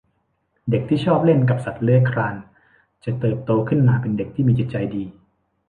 เด็กที่ชอบเล่นกับสัตว์เลื้อยคลาน จะเติบโตขึ้นมาเป็นเด็กที่มีจิตใจดี